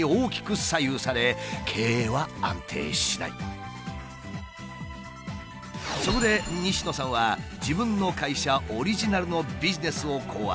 しかし売り上げはそこで西野さんは自分の会社オリジナルのビジネスを考案。